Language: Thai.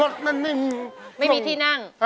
รถมันไม่มีไม่มีที่นั่ง